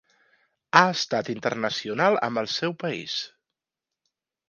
Ha estat internacional amb el seu país.